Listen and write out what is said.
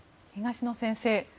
東野先生